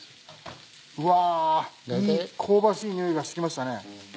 うわぁいい香ばしいにおいがしてきましたね。